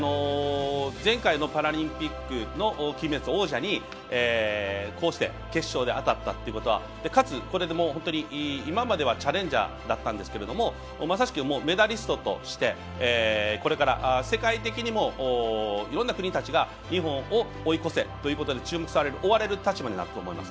前回のパラリンピックの金メダリスト、王者にこうして決勝で当たったということはかつ、これでもう今まではチャレンジャーだったんですがまさしくメダリストとしてこれから、世界的にもいろんな国たちが日本を追い越せということで注目される追われる立場になると思います。